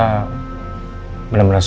semua masalah diantara kita